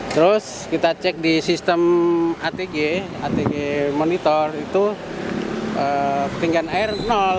terus kita cek di sistem atg atg monitor itu ketinggian air